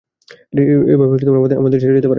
এভাবে আমাদের ছেড়ে যেতে পারেন না!